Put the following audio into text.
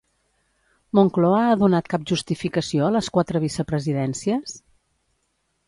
Moncloa ha donat cap justificació a les quatre vicepresidències?